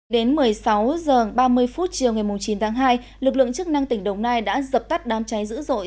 đến một mươi sáu h ba mươi phút chiều ngày chín tháng hai lực lượng chức năng tỉnh đồng nai đã dập tắt đám cháy dữ dội